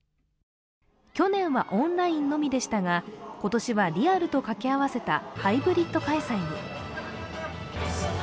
去年はオンラインのみでしたが、今年はリアルと掛け合わせたハイブリッド開催に。